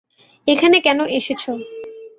এখানে কেন এসেছো?